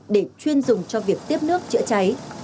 để chuyên dùng cho việc tiếp nước chữa cháy